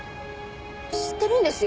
知ってるんですよ。